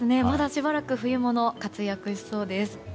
まだしばらく冬物活躍しそうです。